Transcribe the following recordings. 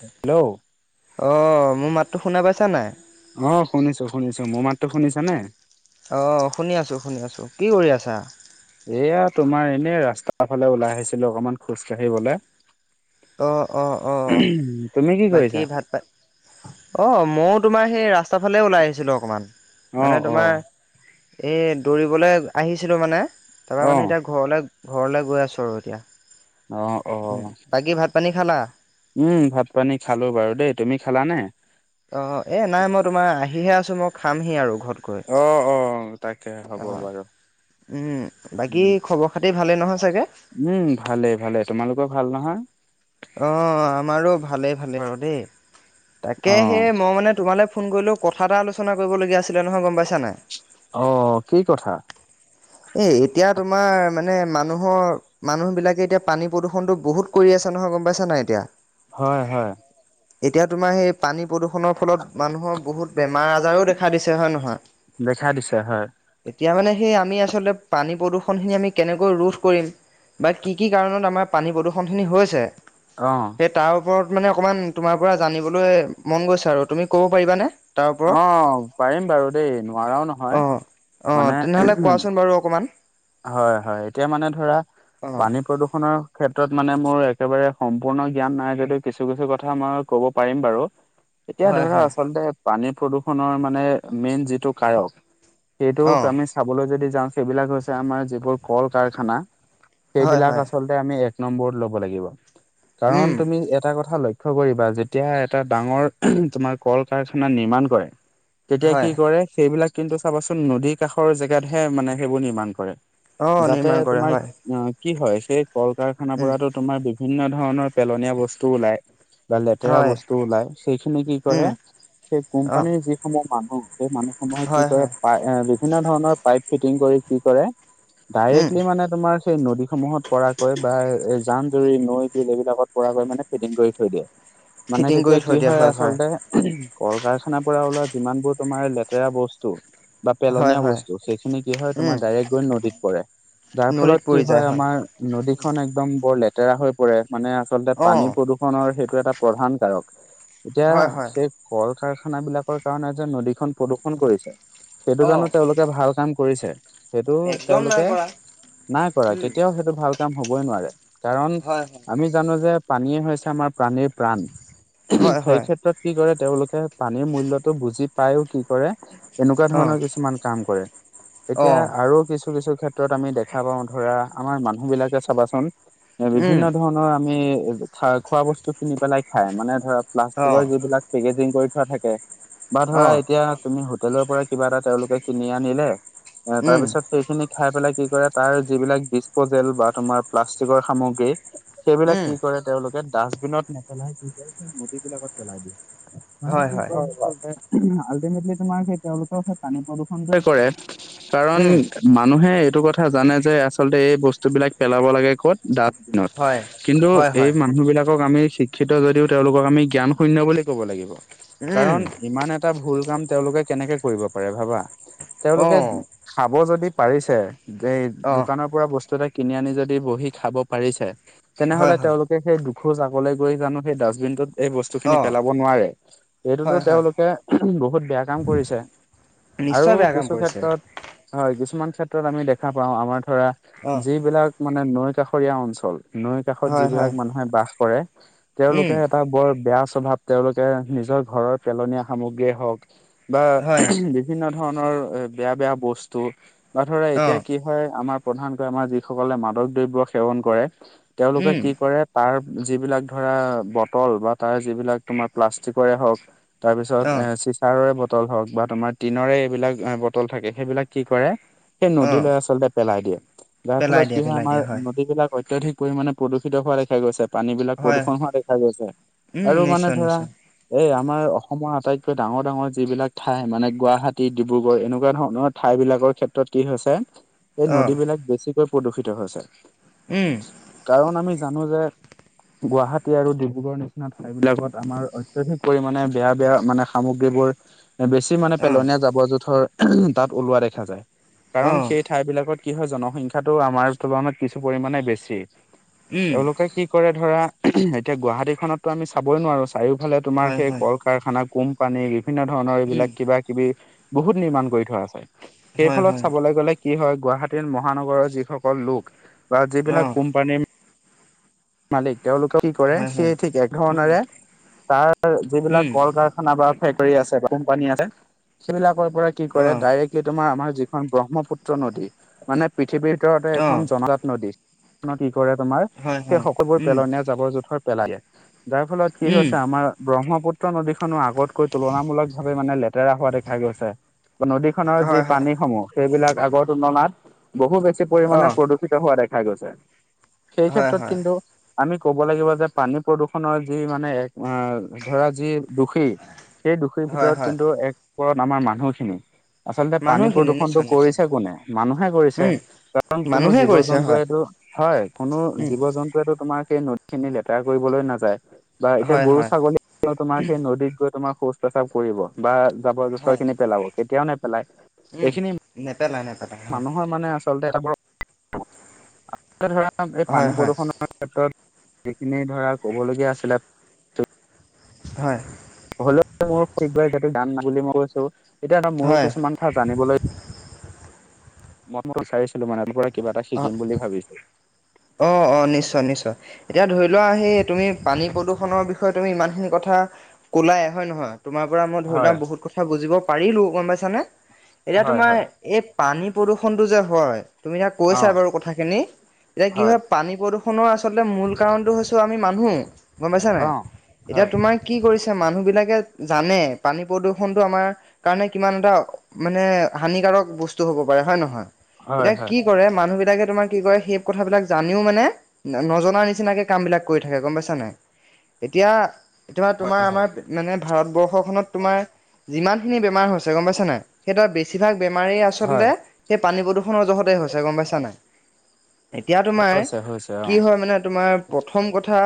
Hello! অ মোৰ মাতটো শুনা পাইছা নাই? অ শুনিছো শুনিছো। মোৰ মাতো শুনিছা নে? অঁ শুনি আছোঁ শুনি আছোঁ, কি কৰি আছা? এয়া তোমাৰ এনেই ৰাস্তাৰ ফালে ওলাই আহিছিলো অকনমান খোজ কাঢ়িবলৈ। অঁ অঁ অঁ তুমি কি বাকী কৰিছা? ভাত পা অ মইও তোমাৰ সেই ৰাস্তাৰ ফালে ওলাই আহিছিলো অকমান, অ মানে অ তোমাৰ এই দৌৰিবলৈ আহিছিলোঁ মানে তাৰপৰা অ মানে এতিয়া ঘৰলৈ ঘৰলৈ গৈ আছোঁ আৰু এতিয়া, অ অ বাকী ভাত পানী খালা? উম ভাত পানী খালো বাৰু দেই, তুমি খালানে? অহ, এ নাই মই তোমাৰ আহিহে আছো মই খামহি আৰু ঘৰত গৈ। অ অ তাকে হ'ব অ বাৰু। বাকী খবৰ খাতিৰ ভালেই নহয় চাগে? উম ভালে ভালে। তোমালোকৰ ভাল নহয়? অ আমাৰো ভালেই ভালেই বাৰু দেই, অ তাকে সেই মই মানে তোমালৈ ফোন কৰিলোঁ কথা এটা আলোচনা কৰিবলগীয়া আছিলে নহয় গম পাইছা নাই? অ কি কথা? [unintelligible] এ এতিয়া তোমাৰ মানে মানুহৰ মানুহবিলাকে এতিয়া পানী প্ৰদূষণটো বহুত কৰি আছ চে নহয় গম পাইছ নাই এতিয়া? হয় হয়। এতিয়া তোমাৰ সেই পানী প্ৰদূষণৰ ফলত মানুহৰ বহুত বেমাৰ - আজাৰো দেখা দিছে হয় নহয়? দেখা দিছে হয়। এতিয়া মানে সেই আমি আচলতে পানী প্ৰদূষণখিনি আমি কেনেকৈ ৰোধ কৰিম? বা কি কি কাৰণত আমাৰ পানী প্ৰদূষণখিনি হৈছে? অ। সেই তাৰ ওপৰত মানে অকমান তোমাৰ পৰা জানিবলৈ মন গৈছে আৰু তুমি ক'ব পাৰিবানে? তাৰ ওপৰত? অ পাৰিম বাৰু দেই নোৱাৰাও নহয়। অ মানে তেনেহলে কোৱাচোন বাৰু অকমান? হয় হয় এতিয়া মানে ধৰা অঁ পানী প্ৰদূষণৰ ক্ষেত্ৰত মানে মোৰ একেবাৰে সম্পূৰ্ণ জ্ঞান নাই যদিও কিছু কিছু কথা মই ক'ব পাৰিম বাৰু। অ। [inaudible] এতিয়া ধৰা আচলতে পানী প্ৰদূষনৰ মানে মেইন যিটো কাৰক সেইটোক অঁ আমি চাবলৈ যদি যাওঁ সেইবিলাক হৈছে আমাৰ যিবোৰ কল - কাৰখানা হয় সেইবিলাক হয় আচলতে আমি এক নম্বৰত লব লাগিব কাৰণ উম তুমি এটা কথা লই ক্ষ্য কৰিবা যেতিয়া এটা ডাঙৰ উহুম তোমাৰ কল - কাৰখানা নিৰ্মাণ কৰে তেতিয়া কি হয় কৰে সেইবিলাক কিন্তু চাবাচোন নদীৰ কাষৰ জেগাতহে মানে সেইবোৰ নিৰ্মাণ কৰে। অঁ যাতে নিৰ্মাণ কৰে তোমাৰ হয় আ কি হয়, সেই কল - কাৰখানাৰ উম পৰাতো তোমাৰ বিভিন্ন ধৰণৰ পেলনীয়া বস্তু ওলায়। বা লেতেৰা হয় বস্তু ওলাই, সেইখিনি কি কৰে উম সেই অঁ কোম্পানীৰ যিসমূহ মানুহ সেই মানুহ সময় কি হয় কৰে হয় পাই এ বিভিন্ন ধৰণৰ পাইপ ফিটিং কৰি কি কৰে উম ডাইৰেক্টলি মানে তোমাৰ সেই নদীসমূহত পৰাকৈ বা এই জান- জুৰি, নৈ, বিল এইবিলাকত পৰাকৈ মানে ফিডিং কৰি থৈ দিয়ে। হয় [inaudible] মানে কৰি তেতিয়া কি থৈ দিয়া হয় আচলতে উহু কল - কাৰখানাৰ পৰা ওলোৱা যিমানবোৰ তোমাৰ লেতেৰা বস্তু বা হয় পেলনীয়া হয় বস্তু সেইখিনি কি হয় তোমাৰ উম ডাইৰেক্ট গৈ নদীত পৰে যাৰ নদীত ফলত কি পৰি যায় হয় আমা মাৰ নদীখন একদম বৰ লেতেৰা হৈ পৰে মানে আচলতে পানী অঁ প্ৰদূষ ষনৰ সেইটো এটা প্ৰধান কাৰক এতিয়া হয় হয় সেই কল - কাৰখানাবিলাকৰ কাৰণে যে নদীখন প্ৰদূষন কৰিছে সেইটো জানো অঁ তেওঁলো ভাল কাম কৰিছে সেইটো একদম নাই তেওঁলোকে কৰা নাই কৰা উম কেতিয়াও সেই টো ভাল কাম হবই নোৱাৰে কাৰণ হয় হয় আমি জানো যে পানীয়ে হৈছে আমাৰ প্ৰাণীৰ প্ৰাণ। উহুম হয় সেই হয় ক্ষেত্ৰত কি কৰে তেওঁলোকে পানীৰ মূল্যটো বুজি পাইও কি কৰে এনেকুৱা অঁ ধৰণৰ কিছুমান কাম কৰে এতিয়া অঁ আৰু কিছু কিছু ক্ষেত্ৰত আমি দেখা পাওঁ ধৰা আমাৰ মানুহ বিলাকে চাবাচোন উম বিভিন্ন ধৰণৰ আমি খাই খোৱা বস্তু কিনি পেলাই খাই মানে ধৰা অঁ প্লাষ্টিকৰ যিবিলাক ঠিকে দিন কৈথা থাকে বা ধৰা অঁ এতিয়া তুমি হোটেলৰ পৰা কিবা এটা তেওঁলোকে কিনি আনিলে উম তাৰপিছত সেইখিনি খাই পেলাই কি কৰে তাৰ যিবিলাক ডিচপজেল বা তোমাৰ প্লাষ্টিকৰ সামগ্ৰী সেইবিলাক উম কি কৰে তেওঁলোকে ডাষ্টবিনত নেপেলাই কি কৰে নদীবিলাকত পেলাই দিয়ে। মানে হয় কি হয় কৰে আল্টিমেটলি তোমাৰ সেই তেওঁলোকৰ সেই পানী প্ৰদূষণটোৱে কৰে। কাৰণ উম মানুহে এইটো কথা জানে যে আচলতে এই বস্তুবিলাক পেলাব লাগে ক'ত ডাত দিনত হয় কিন্তু হয় এই হয় মানুহবিলাকক আমি শি ক্ষিত যদিও তেওঁলোকক আমি জ্ঞান শূন্য বুলি ক'ব লাগিব উম কাৰণ ইমান এ টা ভুল কাম তেওঁলোকে কেনেকে কৰিব পাৰে ভাবা? তেওঁলোকে অঁ খাব যদি পাৰিছে, এই অঁ দোকানৰ বস্তু এটা কিনি আনি যদি বহি খাব পাৰিছে হয় তেনেহলে হয় তেওঁলোক কে সেই দুখোজ আগকলে গৈ জানো সেই ডাষ্টবিনটোত এই অঁ বস্তুখিনি পেলাব নোৱাৰে হয় এইটোতো হয় তেওঁলোকে উহুম বহুত বেয়া কাম কৰিছে। আৰু নিশ্চয় বেয়া কাম কিছু কৰিছে। ক্ষেত্ৰত হয় কিছুমান ক্ষেত্ৰত আমি দেখা পাও, আমাৰ ধৰা অ', যিবিলাক মানে নৈ কাষৰীয়া অঞ্চল, নৈ কাষত হয়, হয়। যিবিলাক মানুহে বাস কৰে, তেওঁলোকে উম। এটা বৰ বেয়া স্বভাৱ তেওঁলোকে নিজৰ ঘৰৰ পেলনীয়া সামগ্ৰীয়ে হওক বা হয়, উহুম বি বিভিন্ন ধৰণৰ এ বেয়া বেয়া বস্তু বা ধৰা এতিয়া অ'। কি হয় আমাৰ প্ৰধানকৈ আমাৰ যিসকলে মাদক দ্ৰৱ্য সেৱন কৰে তেওঁলোকে উম। কি কৰে তাৰ যিবিলাক ধৰা বটল বা তাৰ যিবিলাক তোমাৰ প্লাষ্টিকৰে হওঁক তাৰ পিছত এ অ', চিচাৰৰে বটল হওক বা তোমাৰ টিনৰে এইবিলাক বটল থাকে সেইবিলাক কি কৰে সেই অ', নদীলৈ আচলতে পেলাই দিয়ে যাৰ পেলাই ফলত দিয়া, কি হয় পেলাই আমাৰ দিয়া নদীবলাক অত্যাধিক পৰিমাণে প্ৰদূষিত হোৱা দেখা গৈছে, পানীবিলাক হয়, প্ৰদূষণ হোৱা দেখা গৈছে উম, আৰু মানে নিশ্চয়, ধৰা নিশ্চয়। এই আমাৰ অসমৰ আটাইতকৈ ডাঙৰ ডাঙৰ যিবিলাক ঠাই মানে গুৱাহাটী, ডিব্ৰুগড় এনেকুৱা ধৰণৰ ঠাই বিলাকৰ ক্ষেত্ৰত কি হৈছে, এই অ', নদীবিলাক বেছিকৈ প্ৰদূষিত হৈছে। উম কাৰণ আমি জানো যে গুৱাহাটী আৰু ডিব্ৰুগড়ৰ নিচিনা ঠাই বিলাকত আমাৰ অত্যাধিক পৰিমাণে বেয়া বেয়া মানে সামগ্ৰীবোৰ বেছি মানে অ', পেলনীয়া জাবৰ জোঁথৰ তাত ওলোৱা দেখা যায় কাৰণ অ', সে- ঠাই বিলাকত কি হয় জনসংখ্যাটো আমাৰ তুলনাত কিছু পৰিমানে বেছি, উম, তেওঁলোকে কি ধৰা এতিয়া গুৱাহাটীখনতো আমি চাবই নোৱাৰোঁ চাৰিওফালে তোমাৰ হয়, সেই হয়, কল- কাৰখানা, কোম্পানী বিভিন্ন ধৰণৰ উম, এইবিলাক কিবা কিবি বহুত নিৰ্মাণ কৰি থোৱা আছে। সেই হয়, ফলত হয়, চাবলৈ গলে কি হয় গুৱাহাটীৰ মহানগৰৰ যিসকল লোক। বা যিবিলাক অ', কোম্পানীৰ মালিক তেওঁলোকে কি কৰে হয়, সেই হয়। ঠিক এক উম, ধৰণেৰে তাৰ যিবিলাক উম, কল কাৰ- খানাপাৰাত ফেক্টৰী আছে বা কোম্পানী আছে সেইবিলাকৰ পৰা কি কৰে অ', ডাইৰেক্ট কি তোমাৰ আমাৰ যিখন ব্ৰহ্মপুত্ৰ নদী মানে পৃথিৱীৰ ভিতৰতে অ', এখন জনজাত নদী। কি কৰে তোমাৰ হয়, সেই হয়, সকলোবোৰ উম, পেলনীয়া জাবৰ জোথৰ পেলালে দিয়ে যাৰ ফলত কি উম, হৈছে আমাৰ ব্ৰহ্মপুত- ত নদীখনো আগতকৈ তুলনামূলক ভাৱে মানে লেতেৰা হোৱা দেখা গৈছে। নদী যি হয়, হয়, পানীসমূহ সেইবিলাক আগৰ তুলনাত বহু বেছি পৰিমাণে অ', প্ৰদূ- ষিত হোৱা দেখা গৈছে। সেই হয়, ক্ষেত্ৰত হয়, কিন্তু আমি ক'ব লাগিব যে পানী প্ৰদূৰষণৰ যি মানে এক ধৰা যি দোষী, সেই দোষীৰ হয়, ভিতৰত হয়, কিন্তু এক ওপৰত আমাৰ মানুহখিনি আচলতে পানী মানুহখিনি প্ৰদূষণতটো নিশ্চয়, নিশ্চয়, কৰিছে কোনে মানুহে কৰিছে। উম, কাৰণ কোনো মানুহে জীৱ কৰিছে হয়, জন্তুৱেটো হয় কোনো উম, জীৱ জন্তুৱে তোমাৰ সেই নদ- খিনি লেতেৰা কৰিবলৈ নাযায় বা এতিয়া হয়, গৰু হয়, ছাগলী তোমাৰ সেই নদীত গৈ তোমাৰ শৌচ প্ৰস্ৰাৱ কৰিব বা জাবৰ জোথৰ হয়। খিনি পেলাব কেতিয়াও নে- পেলাই উম এইখিনি নেপেলাই নেপেলাই হয় মানুহৰ মানে আছ- চলতে এটা বৰ [unintelligible] ধৰা এই হয় পানী হয় প্ৰদূষণ ক্ষেত্ৰত যিখিনি ধৰা ক'বলগীয়া আছিলে হয়। হলেও মোৰ হিদয়ে যাতে দান মান বুলি মই কৈছো, এতিয়া এটা মোৰো হয় কিছুমান থা জানিবলৈ, মই বিচাৰিছিলো মানে কিবা এটা অ শিকিম বুলি ভাবিছোঁ। অ অ নিশ্চয় নিশ্চয়। এতিয়া ধৰি লোৱা আহি তুমি পানী প্ৰদূষণৰ বিষয়ে তুমি ইমানখিনি কথা ক'লাই হয় নহয়? তোমাৰ পৰা মই ধৰি লোৱা হয় বহুত কথা বুজিব পাৰিলোঁ গম পাইছানে এতিয়া হয় তোমাৰ হয় এই পানী প্ৰদূষণটো যে হয় তুমি তাক অ কৈছা বাৰু কথাখিনি এতিয়া কি হয় পানী প্ৰদূষণৰ আচলতে মূল কাৰণটো হৈছো আমি মানুহ। গম পাইছা নাই অ এতিয়া হয় তোমাক কি কৰিছে মানুহ বিলাকে জানে পানী প্ৰদূষণটো আমাৰ কাৰণে কিমান এটা মানে হানিকাৰক বস্তু হব পাৰে হয় নহয়? হয় এতিয়া হয় কি কৰে মানুহ বিলাকে তোমাৰ কি কয় সেই কথাবিলাক জানিও মানে নজনা নিচিনাকে কাম বিলাক কৰি থাকে গম পাইছা নাই। এতিয়া এতিয়াবা তোমাৰ হয় হয় আমাৰ মানে ভাৰতবৰ্ষখনত তোমাৰ যিমানখিনি বেমাৰ হৈছে গম পাইছা নাই। সেইতৱা বেছিভাগ বেমাৰী হয় আচলতে সেই পানী প্ৰদূষণৰ জহতেই হৈছে গম পাইছা নাই। এতিয়া তোমাৰ হৈছে হৈছে অ কি হয় মানে তোমাৰ প্ৰথম কথা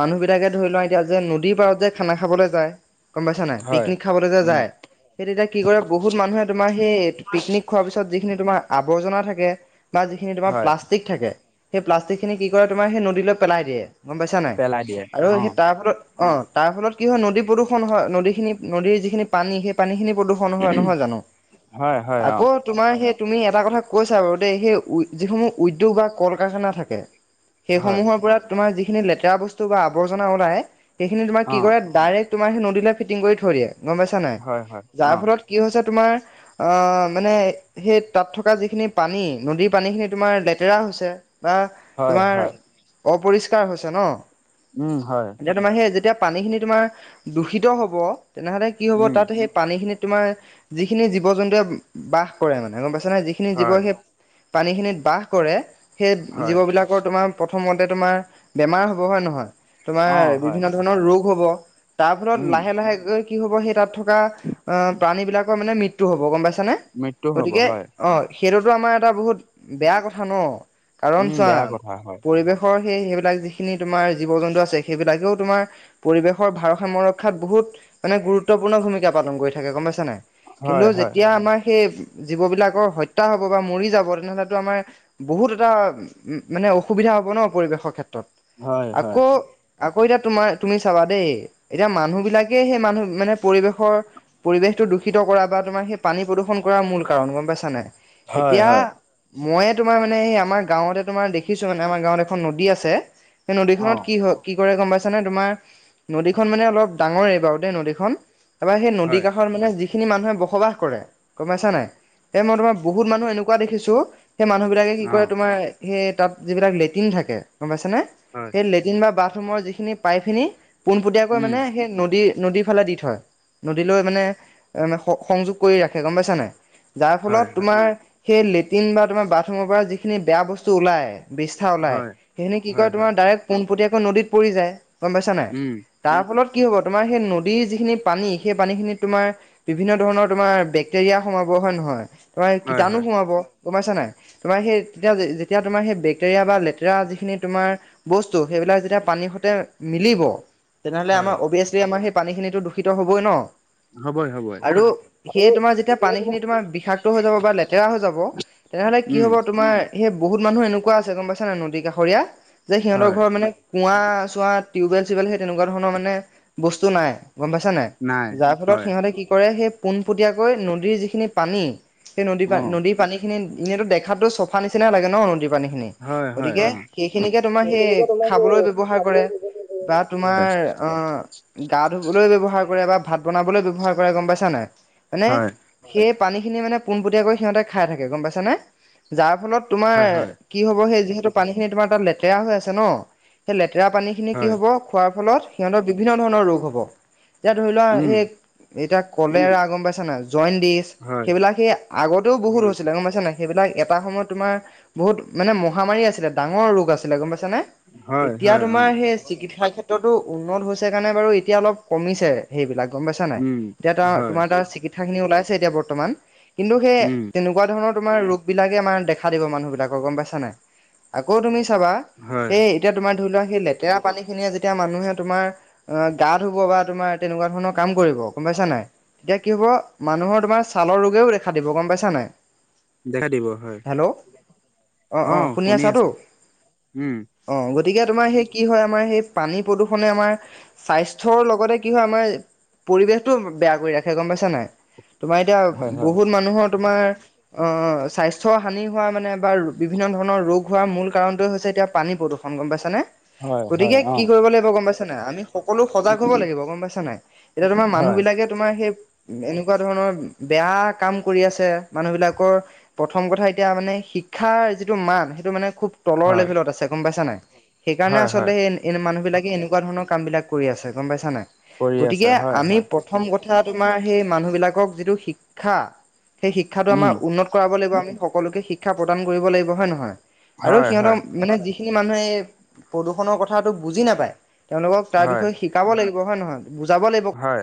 মানুহবিলাকে ধৰি লুৱা এতিয়া যে নদীৰ পাৰত যে খানা খাবলৈ যায় গম পাইছা নাই হয় পিকনিক খাবলৈ যে উম যায় সেই তেতিয়া কি কৰে বহুত মানুহে তোমাৰ সেই পিকনিক খোৱা পাছত যিখিনি আবৰ্জনা থাকে বা যিখিনি হয় প্লাষ্ট- ঠিক থাকে সেই প্লাষ্টিক খিনি কি কৰে তোমাৰ সেই নদীলৈ পেলাই দিয়ে। গম পাইছা নাই পেলাই দিয়ে আৰু অ সেই তাৰ ফলত অ' তাৰ ফলত কি হয় নদী প্ৰদূষণ হয় নদীখিনি নদীৰ যিখিনি পানী সেই পানীখিনি প্ৰদূষণ হয় নহয় জানো হয় হয় অ আকৌ তোমাৰ সেই তুমি এটা কথা কৈছা বাৰু দেই সেই উ যিসমূহ উদ্যোগ বা কল কাৰখানা থাকে হয় সেইসমূহৰ পৰা তোমাৰ যিখিনি লেতেৰা বস্তু বা আৱৰ্জনা ওলাই সেইখিনি তোমাৰ অ কি কৰে ডাইৰেক্ট তোমাৰ সেই নদীলে ফিটিং কৰি থৈ দিয়ে গম পাইছা নাই, হয় হয় যাৰ অ ফলত কি হৈছে তোমাৰ অ, মানে সেই তাত থকা যিখিনি পানী নদীৰ পানী খিনি তোমাৰ লেতেৰা হৈছে বা হয় তোমাৰ হয় অপৰিষ্কাৰ হৈছে ন উম, হয়। এতিয়া তোমাৰ সেই যেতিয়া পানীখিনি তোমাৰ দূষিত হ'ব তেনেহ'লে কি হ'ব উম তাত সেই পানী খিনিত তোমাৰ যিখিনি জীৱ জন্তুৱে বাস কৰে, মানে গম পাইছা নাই যিখিনি জীৱ হয় সেই পানীখিনিত বাস কৰে সেই হয় জীৱবিলাকৰ তোমাৰ প্ৰথমতে তোমাৰ বেমাৰ হব, হয় নহয় তোমাৰ অ হয় বিভিন্ন ধৰণৰ ৰোগ হব তাৰ ফলত উম লাহে লাহেকৈ কি হ'ব সেই তাত থকা অ, প্ৰাণীবিলাকৰ মানে মৃত্যু হ'ব গম পাইছানে। মৃত্যু হ'ব গতিকে হয় অ, সেইটোতো আমাৰ এটা বহুত বেয়া কথা ন কাৰণ উম চোৱা বেয়া কথা হয় পৰিৱেশ ৰ সেই সেইবিলাক যিখিনি তোমাৰ জীৱ জন্তু আছে সেইবিলাকেও তোমাৰ পৰিৱেশৰ ভাৰসাম ৰক্ষাত বহুত মানে গুৰুত্বপূৰ্ণ ভূমিকা পালন কৰি থাকে গম পাইছা নাই কিন্তু হয় হয় যেতিয়া আমাৰ সেই জীৱ বিলাকৰ হত্যা হব বা মৰি যাব তেনেহলেতো আমাৰ বহুত এটা মানে অসুবিধা হ'ব ন পৰিৱেশৰ ক্ষেত্ৰত হয় হয় আকৌ আকৌ এতিয়া তুমি চাবা দেই এতিয়া মানুহ বিলাকে সেই মানুহ মানে পৰিৱেশৰ পৰিৱেশটো দূষিত কৰা বা তোমাৰ সেই পানী প্ৰদূ্ষণ কৰা মূল কাৰণ গম পাইছা নায় হয় এতিয়া হয় ময়ে তোমাৰ মানে আমাৰ গাঁৱতে তোমাৰ দেখিছো মানে আমাৰ গাঁৱত এখন নদী আছে সেই অ নদীখনত কি হয় কি কৰে গম পাইছানে তোমাৰ নদীখন মানে অলপ ডাঙৰেই বাৰু দেই নদীখন। এবাৰ সেই নদী হয় কাষৰ মানে যি খিনি মানুহে বসবাস কৰে গম পাইছা নাই এই মই তোমাৰ বহুত মানুহ এনেকুৱা দেখিছো সেই মানুহ বিলাকে অ কি কৰে তোমাৰ সেই তাত যিবিলাক লেটিন থাকে গম পাইছে নে হয় সেই লেটিন বা বাট ৰুমৰ যিখিনি পাইপ খিনি পোনপটীয়াকৈ উম মানে সেই নদী নদীৰ ফালে দি থয় নদীলৈ মানে এ সংযোগ কৰি ৰাখে গম পাইছা নাই। যাৰ হয় ফলত হয় তোমাৰ সেই লেট্ৰিন বা তোমাৰ বাথৰুমৰ পৰা যিখিনি বেয়া বস্তু ওলাই বিষ্ঠা ওলাই হয় সেইখিনি কি হয় কয় হয় তোমাৰ ডাইৰেক্ট পোনপটীয়াকৈ নদীত পৰি যায় গম পাইছা নাই। উম তাৰ ফলত কি হ'ব তোমাৰ সেই নদীৰ যিখিনি পানী সেই পানীখিনিত তোমাৰ বিভিন্ন ধৰণৰ তোমাৰ বেক্টেৰিয়া সোমাব, হয় নহয় তোমাৰ হয় কীটানো হয় সোমাব গম পাইছা নাই। তোমাৰ সেই তেতিয়া যেতিয়া তোমাৰ সেই বেক্টেৰিয়া বা লেতেৰা যিখিনি তোমাৰ বস্তু সেইবিলাক যেতিয়া পানী সতে মিলিব তেনেহলে হয় আমাৰ অভিয়াচলি আমাৰ সেই পানীখিনিত দূষিত হ'বই ন। হবই-হবই। আৰু সেয়ে তোমাৰ যেতিয়া পানীখিনি তোমাৰ বিষাক্ত হৈ যাব বা লেতেৰা হৈ যাব তেনেহলে কি উম হব তোমাৰ সেই বহুত মানুহ এনেকুৱা আছে গম পাইছা নাই নদী কাষৰীয়া যে সিহঁতৰ হয় ঘৰ মানে কুঁৱা চোৱা টিউবৱেল চিউবেল সেই তেনেকুৱা ধৰণৰ মানে বস্তু নাই গম পাইছা নাই। যাৰ ফলত সিহঁতে কি কৰে সেই পোনপটীয়াকৈ নদীৰ যিখিনি পানী সেই নদী অ নদীৰ পানীখিনি এনেতো দেখাতো চফা নিচিনাই লাগে ন নদীৰ পানী খিনি হয় হয় গতিকে অ সেইখিনিকে তোমাৰ সেই সেইখিনিকে তোমাৰ সেই খাবলৈ ব্যৱহাৰ খাবলৈ কৰে। দিব লাগে বা তোমাৰ অ'! গা ধুবলৈ ব্যৱহাৰ কৰে বা ভাত বনাবলৈ ব্যৱহাৰ কৰে। গম পাইছা নাই? মানে, হয় সেই পানী খিনি মানে, পোনপটীয়াকৈ সিহঁতে খাই থাকে। গম পাইছ নে? যাৰ ফলত, তোমাৰ হয় হয় হয় কি হ'ব? সেই, যিহেতু পানী খিনি তোমাৰ তাত লেতেৰা হৈ আছে ন'! সেই লেতেৰা পানী খিনি কি হয় হ'ব? খোৱাৰ ফলত সিহঁতৰ বিভিন্ন ধৰণৰ ৰোগ হ'ব। যে ধৰি লোৱা উম সেই এতিয়া কলেৰা গম পাইছা না জইন দিচ হয় সেইবিলাক সেয়া আগতেও বহুত হৈছিলে গম পাইছা নাই সেইবিলাক এটা সময়ত তোমাৰ বহুত মানে, মহামাৰী আছিলে, ডাঙৰ ৰোগ আছিলে! গম পাইছা নে? হয় এতিয়া, হয় অ তোমাৰ সেই, চিকিৎসা ক্ষেত্ৰতো উন্নত হৈছে কাৰণে বাৰু, এতিয়া অলপ কমিছে। সেইবিলাক গম পাইছা নাই? উম এতিয়া তাৰ, হয় তোমাৰ তাৰ, চিকিৎসা খিনি ওলাইছে এতিয়া বৰ্তমান। কিন্তু, সেই উম তেনে তেনেকুৱা ধৰণৰ, তোমাৰ ৰোগ বিলাকে আমাৰ দেখা দিব। মানুহ বিলাকৰ গম পাইছা নাই? আকৌ, তুমি চাবা হয় এই, এতিয়া তোমাৰ ধৰি লোৱা, সেই, লেতেৰা পানী খিনিয়ে, যেতিয়া মানুহে তোমাৰ অ'! গা ধুব বা তোমাৰ, তেনেকুৱা ধৰণৰ কাম কৰিব, গম পাইছা নাই? এতিয়া, কি হ'ব? মানুহৰ তোমাৰ ছালৰ ৰোগেও দেখা দিব। গম পাইছা নাই? দেখা দিব, হয়। হেল্ল' অ'! শুনি আছোঁ। উম! অ'! গতিকে, তোমাৰ সেই কি হয় আমাৰ? সেই, পানী প্ৰদূষণে আমাৰ স্বাস্থ্যৰ লগতে, কি হয় আমাৰ? পৰিৱেশটো বেয়া কৰি ৰাখে! গম পাইছা নাই? তোমাৰ এতিয়া, হয় হয় বহুত মানুহৰ তোমাৰ অ'! স্বাস্থ্য হানি হোৱা মানে বা বিভিন্ন ধৰণৰ ৰোগ হোৱা মূল কাৰণটোৱে হৈছে, এতিয়া পানী প্ৰদূষণ। ষন গম পাইছ নে? হয় হয় গতিকে, অ কি কৰিব লাগিব গম পাইছ নাই? আমি সকলো সজাগ হ'ব লাগিব। গম পাইছা নাই? এতিয়া তোমাৰ মানুহ হয় বিলাকে তোমাৰ সেই, এনেকুৱা ধৰণৰ, বেয়া কাম কৰি আছে! মানুহ বিলাকৰ প্ৰথম কথা এতিয়া মানে, শিক্ষাৰ যিটো মান, সেইটো মানে, খুব তলৰ হয় লেভেলত আছে। গম পাইছা নাই? সেইকাৰণে, হয় হয় আচলতে এনে, মানুহ বিলাকে এনেকুৱা ধৰণৰ কাম বিলাক কৰি আছে গম পাইছা নাই? কৰি আছে গতিকে, হয় আমি হয় প্ৰ প্ৰথম কথা, তোমাৰ সেই মানুহবিলাকক যিটো শিক্ষা। সেই, শিক্ষাটো আমাৰ উম উন্নত কৰাব লাগিব আমি সকলোকে। শিক্ষা প্ৰদান কৰিব লাগিব, হয় নে নহয়? আৰু হয় সিহঁতৰ হয় মানে, যিখিনি মানুহে এ, প্ৰদূষণৰ কথাটো বুজি নাপায়! তেওঁলোকক, তাৰ হয় বিষয়ে শিকাব লাগিব হয় নে নহয়? বুজাব লা হয়!